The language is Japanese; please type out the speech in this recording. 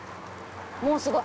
もうすごい。